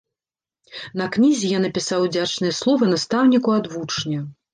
На кнізе я напісаў удзячныя словы настаўніку ад вучня.